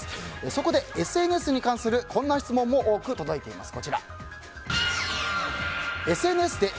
そこで、ＳＮＳに関するこんな質問も多く届いています。